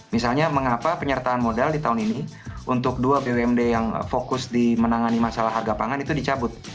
misalnya mengapa penyertaan modal di tahun ini untuk dua bumd yang fokus di menangani masalah harga pangan itu dicabut